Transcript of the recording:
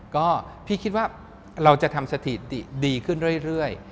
ก็พี่คิดว่าเราจะทำสถิติดีขึ้นเรื่อย